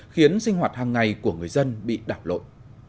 khiến sinh hoạt hàng ngày của người dân bị đảo lộn